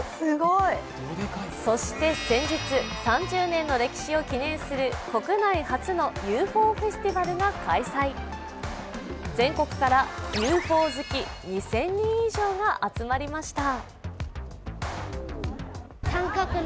そして先日、３０年の歴史を記念する国内初のＵＦＯフェスティバルが開催全国からＵＦＯ好き２０００人以上が集まりました。